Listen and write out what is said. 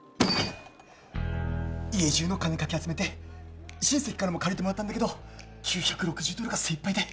家じゅうの金かき集めて親戚からも借りてもらったんだけど９６０ドルが精いっぱいで。